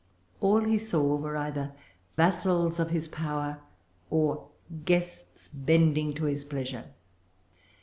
All he saw were either vassals of his power, or guests bending to his pleasure.